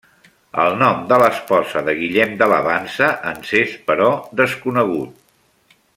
El nom de l'esposa de Guillem de Lavansa ens és, però, desconegut.